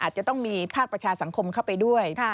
อาจจะต้องมีภาคประชาสังคมเข้าไปด้วย